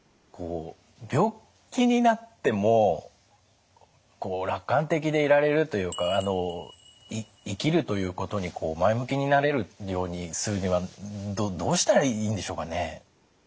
病気になっても楽観的でいられるというか生きるということに前向きになれるようにするにはどうしたらいいんでしょうかね？